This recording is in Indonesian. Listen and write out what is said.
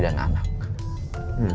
dan nanti kembali